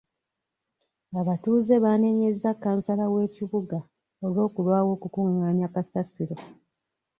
Abatuuze baanenyezza kansala w'ekibuga olw'okulwawo okukungaanya kasasiro.